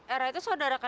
era itu saudara kan